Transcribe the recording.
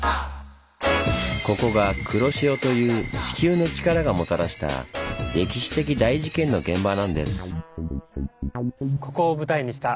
ここが黒潮という地球のチカラがもたらした歴史的大事件の現場なんです。